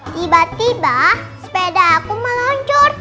tiba tiba sepeda aku meluncur